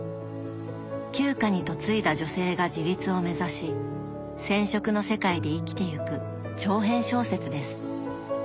旧家に嫁いだ女性が自立を目指し染織の世界で生きてゆく長編小説です。